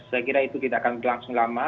saya kira itu tidak akan berlangsung lama